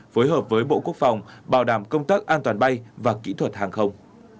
phối hợp với bộ quốc phòng bảo đảm công tác an toàn bay và kỹ thuật hàng không